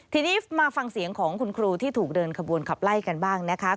ทีนี้มาฟังเสียงของคุณครูที่ถูกเดินขบวนขับไล่กันบ้างนะคะ